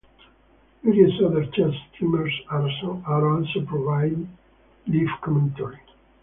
Various other chess streamers are also providing live commentary.